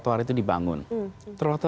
trotoar itu pasangannya kendaraan umum